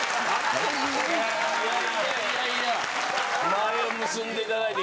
前を結んでいただいて。